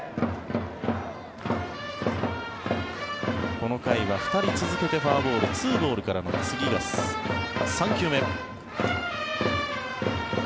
この回は２人続けてフォアボール２ボールからの次が３球目。